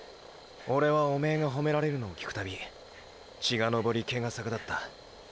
オレはおめえがほめられるのを聞くたび血がのぼり毛が逆立った。